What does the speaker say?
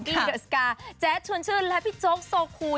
บีด่าสการ์แจ๊บชื่นชื่นและพี่โจ๊กโซคู